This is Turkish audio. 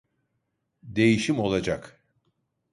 Değişim olacak